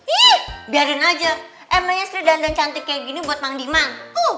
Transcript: ih biarin aja emangnya sirek dandan cantik kayak gini buat mandiman